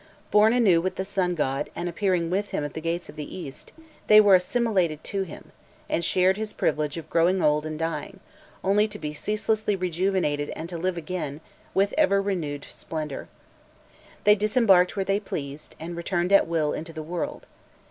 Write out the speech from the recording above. Born anew with the sun god and appearing with him at the gates of the east, they were assimilated to him, and shared his privilege of growing old and dying, only to be ceaselessly rejuvenated and to live again with ever renewed splendour. They disembarked where they pleased, and returned at will into the world.